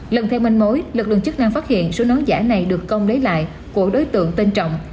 lần theo manh mối lực lượng chức năng phát hiện số nó giả này được công lấy lại của đối tượng tên trọng